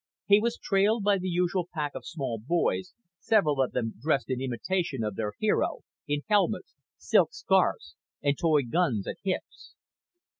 He was trailed by the usual pack of small boys, several of them dressed in imitation of their hero, in helmets, silk like scarves and toy guns at hips.